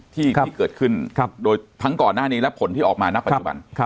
ที่เกิดขึ้นโดยทั้งก่อนหน้านี้และผลที่ออกมาณปัจจุบัน